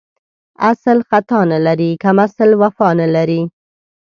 اسل ختا نه لري ، کمسل وفا نه لري.